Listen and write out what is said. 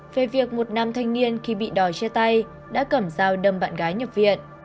về việc một nam thanh niên khi bị đòi chia tay đã cẩm giao đâm bạn gái nhập viện